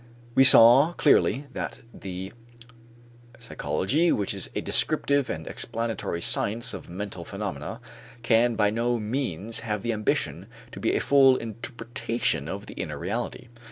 We saw clearly that the psychology which is a descriptive and explanatory science of mental phenomena can by no means have the ambition to be a full interpretation of the inner reality.